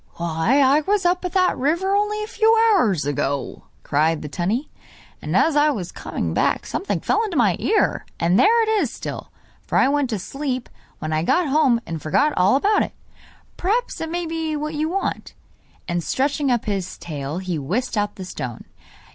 'Why I was up that river only a few hours ago!' cried the tunny; 'and as I was coming back something fell into my ear, and there it is still, for I went to sleep, when I got home and forgot all about it. Perhaps it may be what you want.' And stretching up his tail he whisked out the stone.